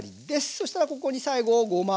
そしたらここに最後ごま。